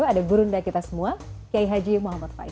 ada gurunda kita semua kiai haji muhammad faiz